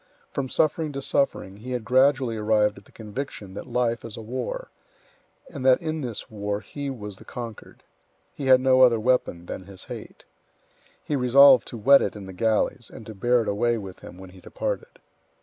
From suffering to suffering, he had gradually arrived at the conviction that life is a war; and that in this war he was the conquered. He had no other weapon than his hate. He resolved to whet it in the galleys and to bear it away with him when he departed.